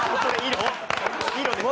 色ですか？